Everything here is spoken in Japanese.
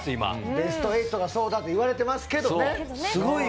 ベスト８がそうだと言われてますけどね。